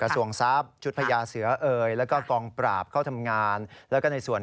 ส่วนคดีที่เป็นเรื่องของที่ดิน